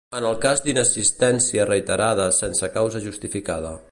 En el cas d'inassistència reiterada sense causa justificada.